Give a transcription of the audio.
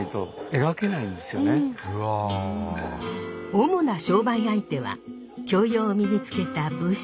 主な商売相手は教養を身につけた武士。